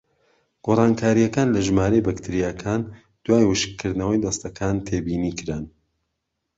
گۆڕانکاریەکان لە ژمارەی بەکتریاکان دوای وشکردنەوەی دەستەکان تێبینیکران: